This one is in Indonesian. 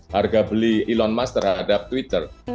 harga beli elon musk terhadap twitter